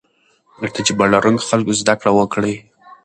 له تجربه لرونکو خلکو زده کړه وکړئ.